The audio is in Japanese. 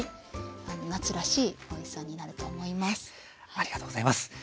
ありがとうございます。